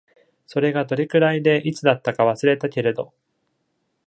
それがどれくらいでいつだったか忘れたけれど。